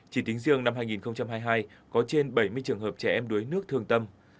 chỉ tính riêng năm hai nghìn hai mươi hai có trên bảy mươi trường hợp trẻ em đuối nước thương tâm